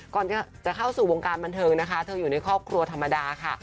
ก่อนจะเข้าสู่วงการบันเทิงนะคะเธออยู่ในครอบครัวธรรมดาค่ะ